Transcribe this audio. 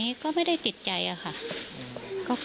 พุ่งเข้ามาแล้วกับแม่แค่สองคน